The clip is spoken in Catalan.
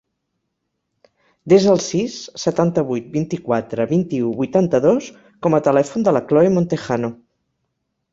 Desa el sis, setanta-vuit, vint-i-quatre, vint-i-u, vuitanta-dos com a telèfon de la Chloe Montejano.